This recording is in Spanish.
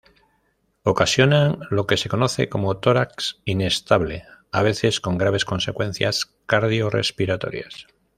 Ocasionan lo que se conoce como tórax inestable, a veces con graves consecuencias cardio-respiratorias.